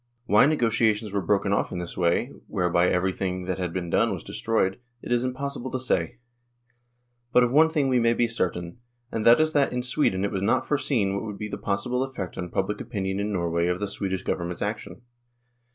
Why negotiations were broken off in this way, whereby everything that had been done was destroyed, it is impossible to say ; but of one thing we may be certain, and that is that in Sweden it was not foreseen what would be the possible effect on public opinion in Norway of the Swedish Government's action.